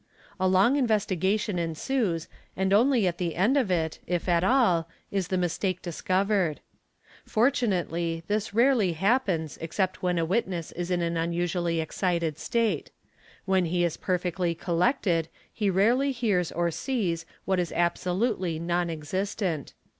A long investiga tion ensues and only at the end of it, if at all, is the mistake discoverec Fortunately this rarely happens except when a witness is in an unusua 1 excited state; when he is perfectly collected he rarely hears or sees wha is absolutely non existent.